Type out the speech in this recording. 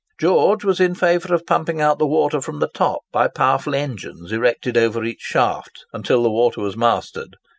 George was in favour of pumping out the water from the top by powerful engines erected over each shaft, until the water was mastered.